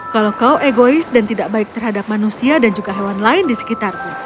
kalau kau egois dan tidak baik terhadap manusia dan juga hewan lain di sekitarku